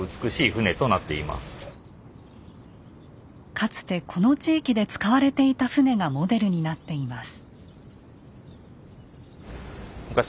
かつてこの地域で使われていた船がモデルになっています。